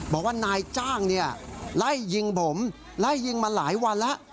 บอกว่านายจ้างเนี่ยไล่ยิงผมไล่ยิงมาหลายวันแล้ว